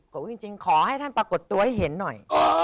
จริงขอให้ท่านปรากฏตัวให้เห็นหน่อย